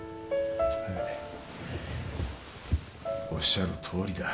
はいおっしゃるとおりだ。